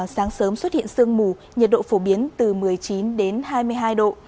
sáng sớm xuất hiện sương mù nhiệt độ phổ biến từ một mươi chín đến hai mươi hai độ